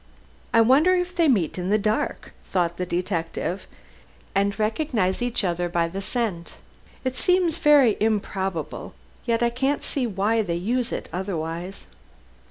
"I wonder if they meet in the dark?" thought the detective, "and recognize each other by the scent. It seems very improbable, yet I can't see why they use it otherwise.